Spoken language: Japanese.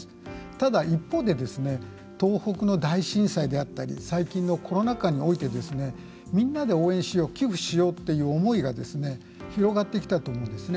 ただ、一方で東北の大震災であったり最近のコロナ禍においてみんなで応援しよう寄付しようっていう思いが広がってきたと思うんですね。